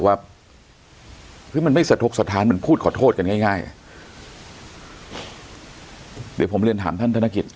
ว่าเฮ้ยมันไม่สะทกสถานเหมือนพูดขอโทษกันง่ายง่ายอ่ะเดี๋ยวผมเรียนถามท่านธนกิจ